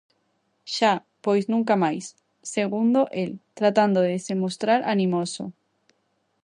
-Xa, pois nunca máis! -asegundou el, tratando de se mostrar animoso.